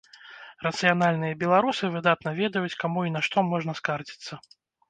Рацыянальныя беларусы выдатна ведаюць, каму і на што можна скардзіцца.